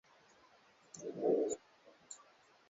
fulani cha utegemeaji wa kiakili kwa athari za dawa za kulevya